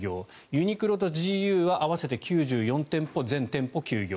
ユニクロとＧＵは合わせて９４店舗全店舗休業。